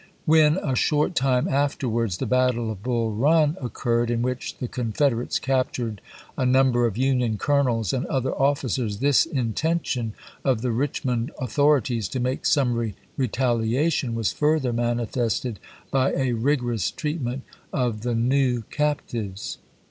''^ When, a short time afterwards, the battle of Bull Run occurred, in which the Confed erates captured a number of Union colonels and other officers, this intention of the Richmond au thorities to make summary retaliation was further manifested by a rigorous treatment of the new captives.